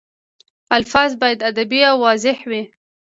الفاظ باید ادبي او واضح وي.